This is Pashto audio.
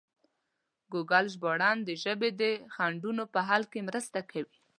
ګوګل ژباړن د ژبې د خنډونو په حل کې مرسته کوي.